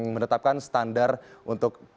menetapkan standar untuk